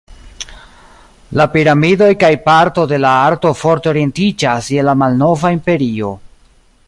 La piramidoj kaj parto de la arto forte orientiĝas je la Malnova Imperio.